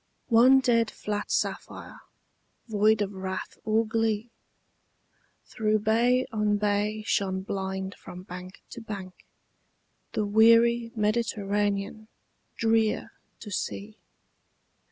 One dead flat sapphire, void of wrath or glee, Through bay on bay shone blind from bank to bank The weary Mediterranean, drear to see.